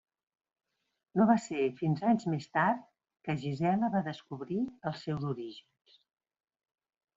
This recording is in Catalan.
No va ser fins anys més tard, que Gisela va descobrir els seus orígens.